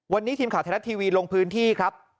วันนี้ทีมข่าวไทยรัฐทีวีลงพื้นที่ครับ